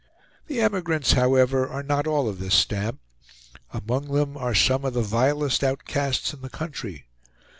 The emigrants, however, are not all of this stamp. Among them are some of the vilest outcasts in the country.